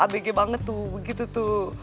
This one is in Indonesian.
abg banget tuh begitu tuh